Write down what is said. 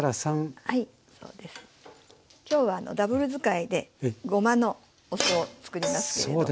今日はダブル使いでごまのお酢を作りますけれども。